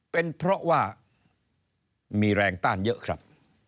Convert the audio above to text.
เป็นเพราะว่ามีแรงต้านเยอะครับ